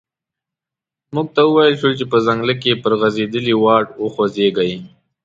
موږ ته و ویل شول چې په ځنګله کې پر غزیدلي واټ وخوځیږئ.